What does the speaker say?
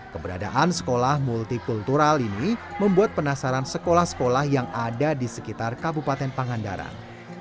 keberadaan sekolah multikultural ini membuat penasaran sekolah sekolah yang ada di sekitar kabupaten pangandaran